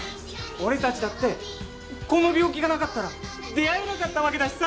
俺たちだってこの病気がなかったら出会えなかったわけだしさ！